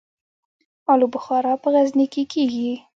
الو بخارا په غزني کې کیږي